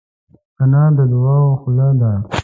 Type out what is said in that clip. انا د دعاوو خوله ده